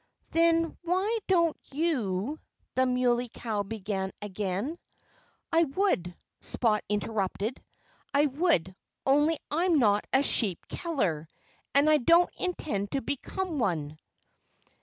"Then why don't you " the Muley Cow began again. "I would," Spot interrupted, "I would only I'm not a sheep killer. And I don't intend to become one."